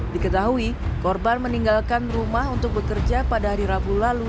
diketahui korban meninggalkan rumah untuk bekerja pada hari rabu lalu